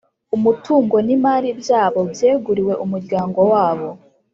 Umutungo n’imari byabo byeguriwe umuryango wabo